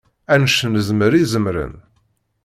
Annect nezmer i zemren.